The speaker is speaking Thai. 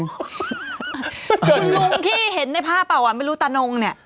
คุณลุงที่เห็นในภาพเปล่าอ่ะไม่รู้ตานงเนี่ย